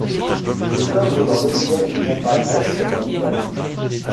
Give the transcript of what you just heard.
Les œuvres dans lesquelles ils apparaissent sont en italique.